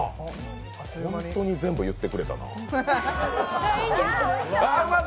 ホントに全部言ってくれたな。